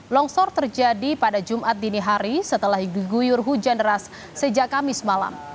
longsor terjadi pada jumat dini hari setelah diguyur hujan deras sejak kamis malam